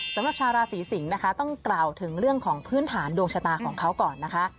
สำหรับชาวราศีสิงศ์นะคะต้องกล่าวถึงเรื่องของพื้นฐานดวงชะตาของเขาก่อนนะคะ